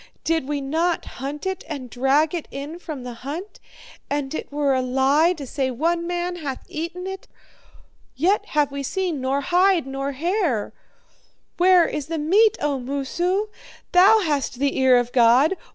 Did we not hunt it and drag it in from the hunt? And it were a lie to say one man hath eaten it; yet have we seen nor hide nor hair. Where is the meat, O Moosu? Thou hast the ear of God.